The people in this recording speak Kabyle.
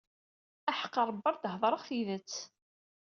Aḥeqq Rebbi ar d-heddṛeɣ tidet